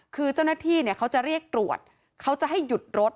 คือเจ้าหน้าที่เขาจะเรียกตรวจเขาจะให้หยุดรถ